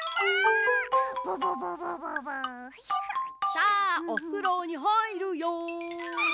さあおふろにはいるよ。